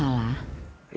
lagi ada masalah